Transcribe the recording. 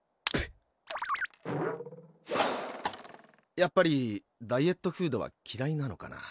やっぱりダイエットフードは嫌いなのかなあ。